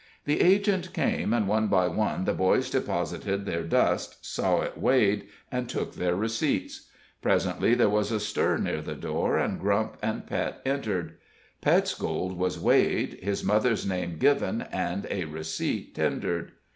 The agent came, and one by one the boys deposited their dust, saw it weighed, and took their receipts. Presently there was a stir near the door, and Grump and Pet entered. Pet's gold was weighed, his mother's name given, and a receipt tendered.